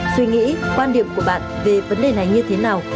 suy nghĩ quan điểm của bạn về vấn đề này như thế nào